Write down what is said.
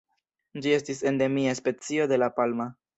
Ĝi estis endemia specio de La Palma.